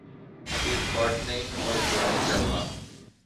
His birth name was Rai Chawla.